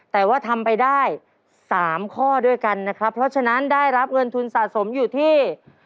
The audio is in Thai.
แต่ว่าทำไปได้๓ข้อด้วยกันนะครับเพราะฉะนั้นได้รับเงินทุนสะสมอยู่ที่